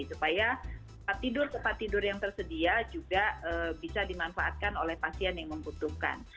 supaya tempat tidur tempat tidur yang tersedia juga bisa dimanfaatkan oleh pasien yang membutuhkan